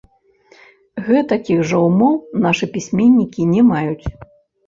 Гэтакіх жа ўмоў нашы пісьменнікі не маюць.